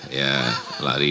saya sekarang lari